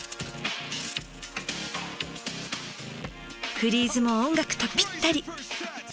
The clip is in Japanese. フリーズも音楽とぴったり。